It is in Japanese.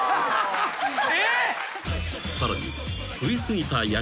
［さらに］